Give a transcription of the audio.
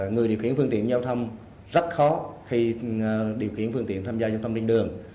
người điều khiển phương tiện giao thông rất khó khi điều khiển phương tiện tham gia giao thông bên đường